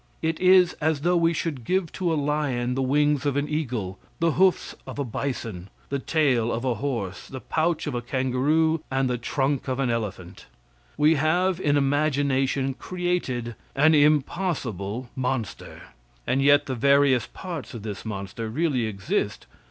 It is as though we should give to a lion the wings of an eagle, the hoofs of a bison, the tail of a horse, the pouch of a kangaroo, and the trunk of an elephant. We have in imagination created an impossible monster. And yet the various parts of this monster really exist.